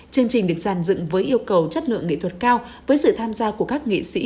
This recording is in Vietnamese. chương trình được giàn dựng với yêu cầu chất lượng nghệ thuật cao với sự tham gia của các nghệ sĩ